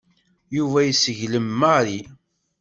Yuba yesseglem Mary.